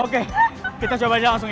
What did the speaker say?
oke kita coba aja langsung